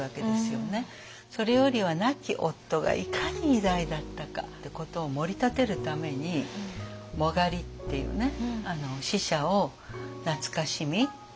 それよりは亡き夫がいかに偉大だったかってことをもり立てるために殯っていうね死者を懐かしみ魂の復活を祈る。